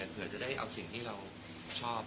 เผื่อจะได้เอาสิ่งที่เราชอบ